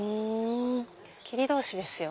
切り通しですよ